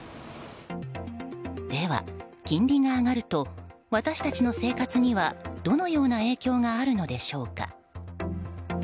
では、金利が上がると私たちの生活にはどのような影響があるのでしょうか。